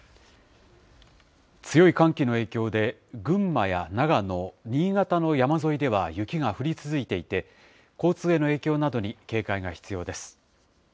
強い寒気の影響で、群馬や長野、新潟の山沿いでは雪が降り続いていて、交通への影響などに警戒が必要です。